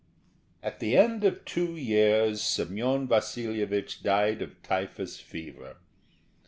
At the end of two years Semyon Vasilyevich died of typhus fever.